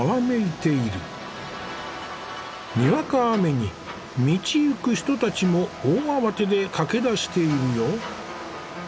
にわか雨に道行く人たちも大慌てで駆け出しているよ。